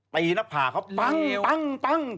ตีหน้าผ่าเขาปั๊ง